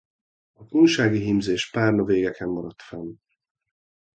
A kunsági hímzés párna végeken maradt fent.